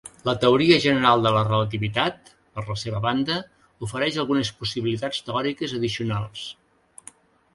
La teoria general de la relativitat, per la seva banda, ofereix algunes possibilitats teòriques addicionals.